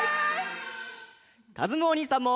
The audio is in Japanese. かずむおにいさんも。